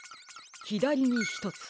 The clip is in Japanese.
ひだりにひとつ。